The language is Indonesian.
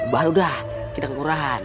baru dah kita kelurahan